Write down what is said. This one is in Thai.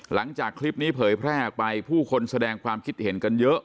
หลังจากคลิปนี้เผยแพร่ออกไปผู้คนแสดงความคิดเห็นกันเยอะ